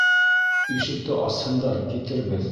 Ишекте асһындар, китербеҙ.